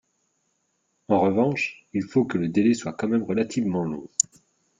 En revanche, il faut que le délai soit quand même relativement long.